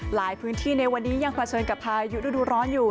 หลายพื้นที่ในวันนี้ยังเผชิญกับพายุฤดูร้อนอยู่